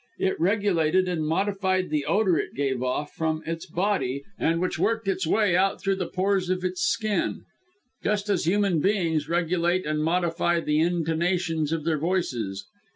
It regulated and modified the odour it gave off from its body, and which worked its way out through the pores of its skin, just as human beings regulate and modify the intonations of their voices.